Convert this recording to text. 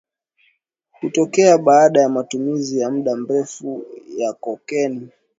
hutokea baada ya matumizi ya muda mrefu ya kokeni